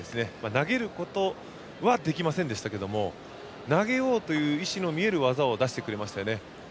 投げることはできませんでしたが投げようという意思の見える技を出してくれましたよね。